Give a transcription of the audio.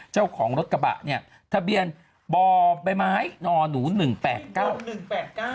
เจ้าของรถกระบะเนี่ยทะเบียนบ่อใบไม้นอหนูหนึ่งแปดเก้าหนึ่งแปดเก้า